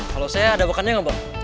kalau saya ada bakatnya gak bang